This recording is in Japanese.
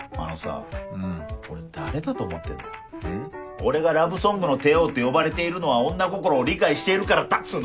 俺が「ラブソングの帝王」って呼ばれているのは女心を理解しているからだっつの！